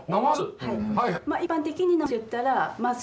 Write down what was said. はい。